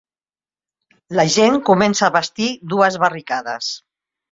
La gent començà a bastir dues barricades